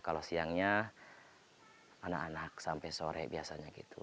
kalau siangnya anak anak sampai sore biasanya gitu